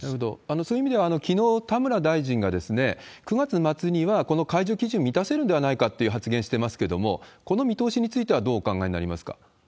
そういう意味ではきのう、田村大臣が９月末にはこの解除基準満たせるんではないかという発言してますけれども、この見通しについてはどうお考えになります